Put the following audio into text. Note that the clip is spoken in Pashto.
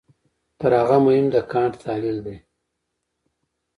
تر هغه مهم د کانټ تحلیل دی.